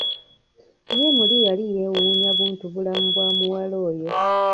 Ye muli yali yeewunya buntu bulamu bwa muwala oyo.